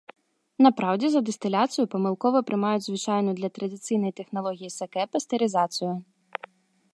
На праўдзе за дыстыляцыю памылкова прымаюць звычайную для традыцыйнай тэхналогіі сакэ пастэрызацыю.